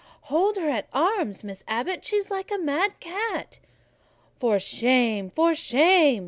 "Hold her arms, Miss Abbot: she's like a mad cat." "For shame! for shame!"